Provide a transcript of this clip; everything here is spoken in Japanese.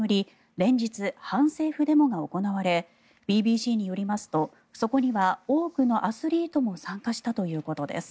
連日、反政府デモが行われＢＢＣによりますとそこには多くのアスリートも参加したということです。